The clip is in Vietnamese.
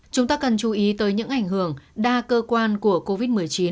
chúng ta cần chú ý tới những ảnh hưởng đa cơ quan của covid một mươi chín